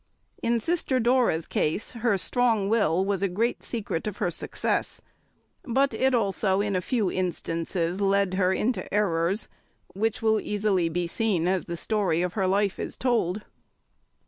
In Sister Dora's case her strong will was a great secret of her success, but it also, in a few instances, led her into errors, which will easily be seen as the story of her life is told.